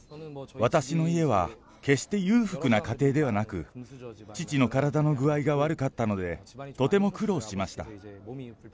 私の家は、決して裕福な家庭ではなく、父の体の具合が悪かったので、とても苦労しました。